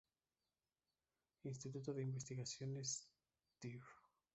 Instituto de Investigaciones Dr.